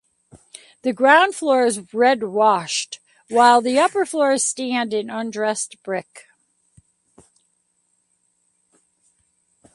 The ground floor is red washed while the upper floors stand in undressed brick.